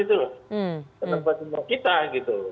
tempat cuma kita